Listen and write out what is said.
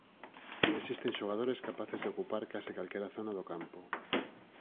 Existen xogadores capaces de ocupar case calquera zona do campo.